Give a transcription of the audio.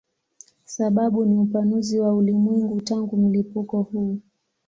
Sababu ni upanuzi wa ulimwengu tangu mlipuko mkuu.